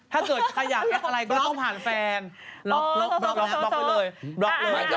ถ้าเกิดใครอยากรักอะไรก็ต้องผ่านแฟนล็อกบล็อกไว้เลยบล็อกเลย